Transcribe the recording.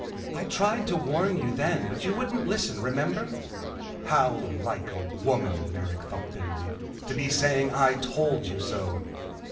I tried to warn you then, but you wouldn't listen. Remember?" How like a woman, Merrick thought bitterly, to be saying I told you so.